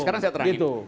sekarang saya terangin